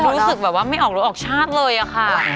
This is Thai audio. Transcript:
รู้สึกไม่ออกรวรรดิออกชาติเลยค่ะ